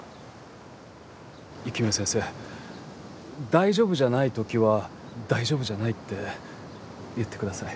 大丈夫じゃない時は大丈夫じゃないって言ってください。